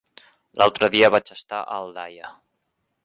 L'altre dia vaig estar a Aldaia.